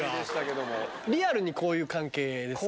リアルにこういう関係ですか？